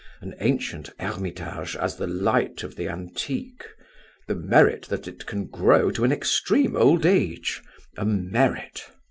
An ancient Hermitage has the light of the antique; the merit that it can grow to an extreme old age; a merit.